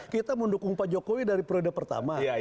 kita mendukung pak jokowi dari periode pertama